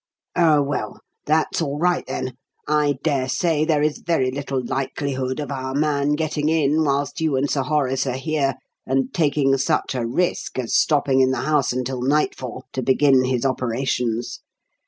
"Oh, well, that's all right, then. I dare say there is very little likelihood of our man getting in whilst you and Sir Horace are here, and taking such a risk as stopping in the house until nightfall to begin his operations.